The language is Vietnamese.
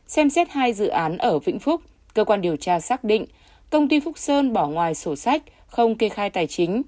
xem xét hai dự án ở vĩnh phúc cơ quan điều tra xác định công ty phúc sơn bỏ ngoài sổ sách không kê khai tài chính